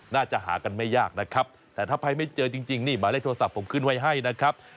น่าจะหากันไม่ยากนะครับแต่ถ้าไปไม่เจอจริงนี่หมายเลขโทรศัพท์ผมขึ้นไว้ให้นะครับ